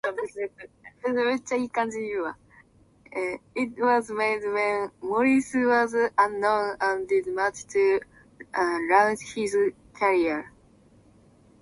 It was made when Morris was unknown and did much to launch his career.